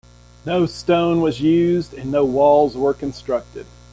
No stone was used and no walls were constructed.